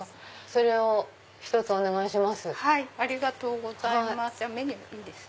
それを１つお願いします。